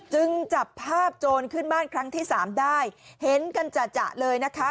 จับภาพโจรขึ้นบ้านครั้งที่สามได้เห็นกันจ่ะเลยนะคะ